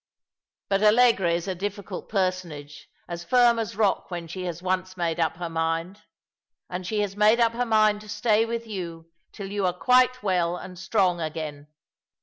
But Allegra is a difficult personage — as firm as rock ■when she has once made up her mind. And she has made up her mind to stay with you till you are quite well and strong again."